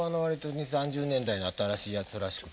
２０３０年代の新しいやつらしくて。